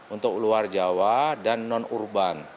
untuk luar jawa dan non urban